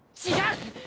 違う！